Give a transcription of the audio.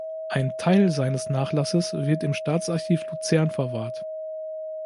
Ein Teil seines Nachlasses wird im Staatsarchiv Luzern verwahrt.